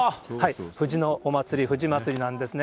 藤のお祭り、藤まつりなんですね。